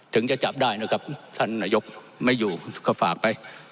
ถึงจะจับได้นะครับท่านนายกไม่อยู่ก็ฝากไป